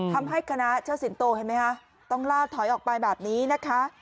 ทำให้คณะเชิดสิงโตเห็นไหมคะต้องล่าถอยออกไปแบบนี้นะคะ